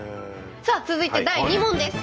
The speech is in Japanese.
さあ続いて第２問です。